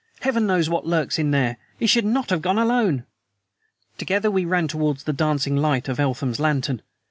"Heaven knows what lurks there! He should not have gone alone!" Together we ran towards the dancing light of Eltham's lantern.